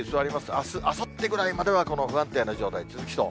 あす、あさってぐらいまではこの不安定な状態、続きそう。